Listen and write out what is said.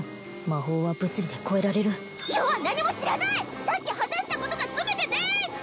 魔法は物理で超えられる余は何も知らないさっき話したことが全てでーす！